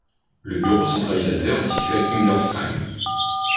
Le bureau centralisateur est situé à Kingersheim.